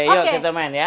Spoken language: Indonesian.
yuk kita main ya